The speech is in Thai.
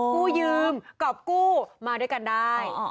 กู้ยืมกรอบกู้มาด้วยกันได้